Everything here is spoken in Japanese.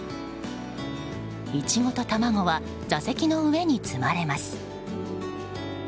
イチゴと卵は座席の上に積まれます。